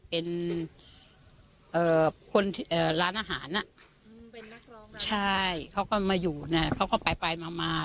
เป็นนักรองใช่เค้าก็มาอยู่เค้าก็ไปมา